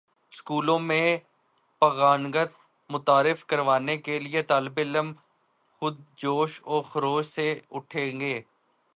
سکولوں میں یگانگت متعارف کروانے کے لیے طالب علم خود جوش و خروش سے اٹھیں گے